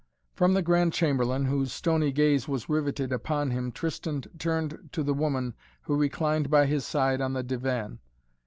From the Grand Chamberlain, whose stony gaze was riveted upon him, Tristan turned to the woman who reclined by his side on the divan.